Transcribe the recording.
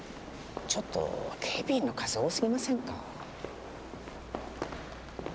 ちょっと警備員の数多過ぎませんか？